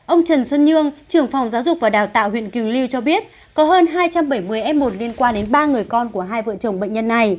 ông trần xuân nhường trưởng phòng giáo dục và đào tạo huyện quỳnh lưu cho biết có hơn hai trăm bảy mươi f một liên quan đến ba người con của hai vợ chồng bệnh nhân này